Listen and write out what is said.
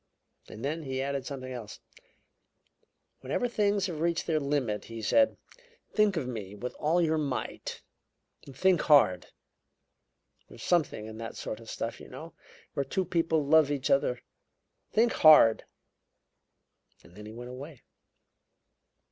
And then he added something else: 'Whenever things have reached their limit,' he said, 'think of me with all your might. Think hard! There's something in that sort of stuff, you know, where two people love each other. Think hard!' Then he went away."